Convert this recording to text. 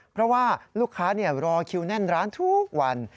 เพราะว่าลูกค้ารอคิวแน่นร้านทุกวัน